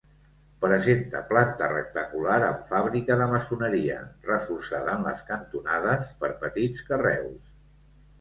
Presenta planta rectangular amb fàbrica de maçoneria, reforçada en les cantonades per petits carreus.